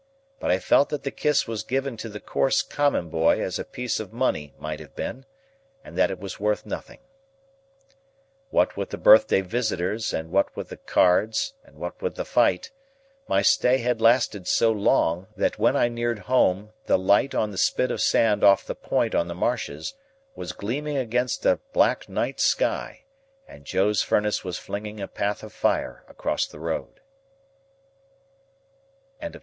But I felt that the kiss was given to the coarse common boy as a piece of money might have been, and that it was worth nothing. What with the birthday visitors, and what with the cards, and what with the fight, my stay had lasted so long, that when I neared home the light on the spit of sand off the point on the marshes was gleaming against a black night sky, and Joe's furnace was flinging a path of fire across the road.